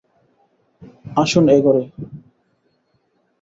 আসুন এ ঘরে।